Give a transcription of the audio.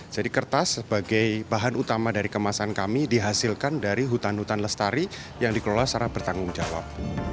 jadi kertas sebagai bahan utama dari kemasan kami dihasilkan dari hutan hutan lestari yang dikelola secara bertanggung jawab